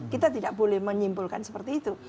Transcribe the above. kita tidak boleh menyimpulkan seperti itu